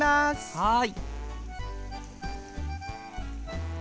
はい。